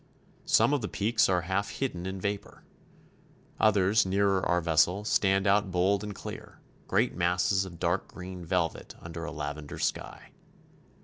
Some of the peaks are half hidden in vapor. Others, nearer our vessel, stand out bold and clear — great masses of dark green velvet under a lavender sky.